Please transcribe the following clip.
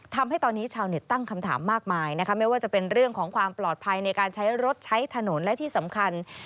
ทำให้ตอนนี้ชาวเน็ตตั้งคำถามมากมายนะคะไม่ว่าจะเป็นเรื่องของความปลอดภัยในการใช้รถใช้ถนนและที่สำคัญ